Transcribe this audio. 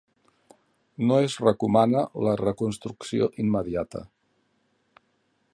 No es recomana la reconstrucció immediata.